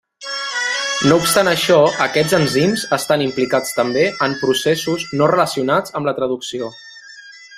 No obstant això, aquests enzims estan implicats també en processos no relacionats amb la traducció.